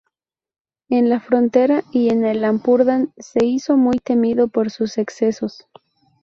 En la frontera y en el Ampurdán se hizo muy temido por sus excesos.